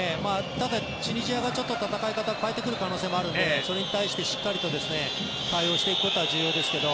ただ、チュニジアが戦い方を変えてくる可能性もあるのでそれに対してしっかりと対応していくことは重要ですけど。